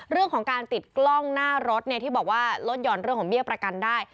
เรื่องของการติดกล้องหน้ารถที่บอกว่าลดห่อนเรื่องของเบี้ยประกันได้